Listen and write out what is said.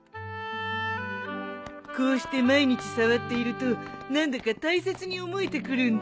こうして毎日触っていると何だか大切に思えてくるんだ。